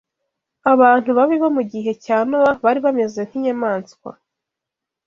Abantu babi bo mu gihe cya Nowa bari bameze nk’inyamaswa